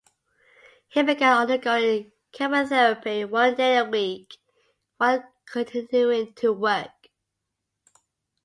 He began undergoing chemotherapy one day a week while continuing to work.